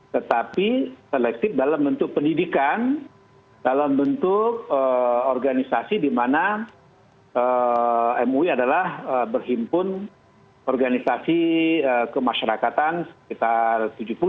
tetapi selektif dalam bentuk pendidikan dalam bentuk organisasi di mana mui adalah berhimpun organisasi kemasyarakatan sekitar tujuh puluh